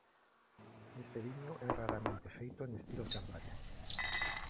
Este viño é raramente feito en estilo "champaña".